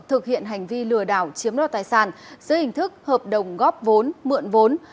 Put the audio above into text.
thực hiện hành vi lừa đảo chiếm đoạt tài sản dưới hình thức hợp đồng góp vốn mượn vốn